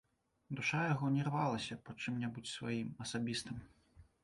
Душа яго не рвалася па чым-небудзь сваім, асабістым.